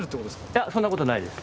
いやそんなことないです。